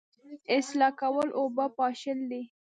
اصلاح کول اوبه پاشل دي